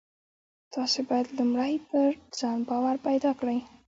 تاسې بايد لومړی پر ځان باور پيدا کړئ.